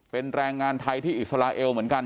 เป็นแรงงานไทยที่อิสราเอลเหมือนกัน